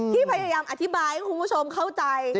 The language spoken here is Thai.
พยายามอธิบายให้คุณผู้ชมเข้าใจ